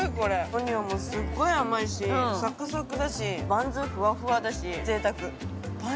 オニオンもすごい甘いし、サクサクだし、バンズ、ふわふわだし。